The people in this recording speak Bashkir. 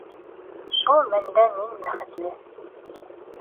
Шул мәлдә мин бәхетле.